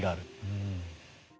うん。